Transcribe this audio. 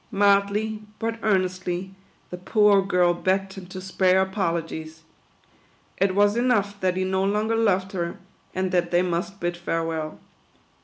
Mildly, but earnestly, the poor girl begged him to spare apol ogies. It was enough that he no longer loved her, and that they must bid farewell.